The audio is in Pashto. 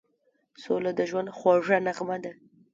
سوله د ژوند خوږه نغمه ده.